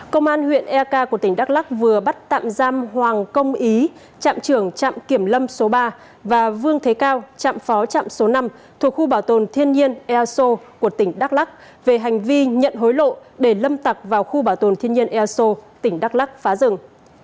công an huyện eak của tỉnh đắk lắc vừa bắt tạm giam hoàng công ý trạm trưởng trạm kiểm lâm số ba và vương thế cao trạm phó trạm số năm thuộc khu bảo tồn thiên nhiên easo của tỉnh đắk lắc về hành vi nhận hối lộ để lâm tặc vào khu bảo tồn thiên nhiên eso tỉnh đắk lắc phá rừng